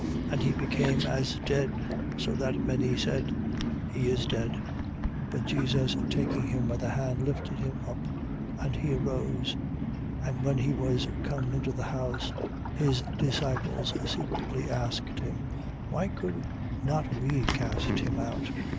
And he became as dead, so that many said: He is dead. 9:26. But Jesus taking him by the hand, lifted him up. And he arose. 9:27. And when he was come into the house, his disciples secretly asked him: Why could not we cast him out?